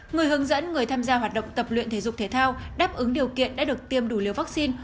người hướng dẫn người tham gia hoạt động tập luyện thể dục thể thao đáp ứng điều kiện đã được tiêm đủ liều vaccine